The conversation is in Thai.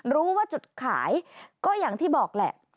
รู้ว่าจุดขายก็อย่างที่บอกแหละ